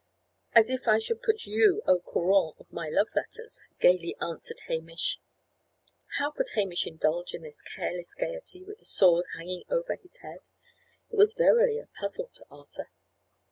"As if I should put you au courant of my love letters!" gaily answered Hamish. How could Hamish indulge in this careless gaiety with a sword hanging over his head? It was verily a puzzle to Arthur.